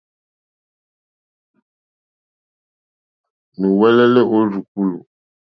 Nùwɛ́lɛ́lɛ́ ó rzùkúlù.